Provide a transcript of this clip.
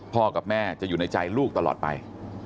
กับแม่จะอยู่ในใจลูกตลอดไป